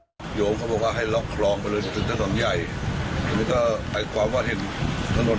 คุณก็โชคเพื่อว่าถ้ารถพลิกไปเนี่ยเดี๋ยวลดหมดเลย